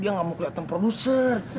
aku datang produser